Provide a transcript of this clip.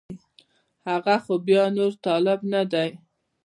هغه خو بیا نور طالب نه دی